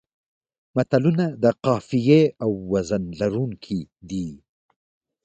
متلونه د قافیې او وزن لرونکي دي